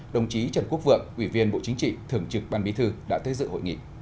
đồng chí trần quốc vượng ủy viên bộ chính trị thường trực ban bí thư đã tới dự hội nghị